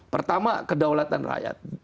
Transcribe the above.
pertama kedaulatan rakyat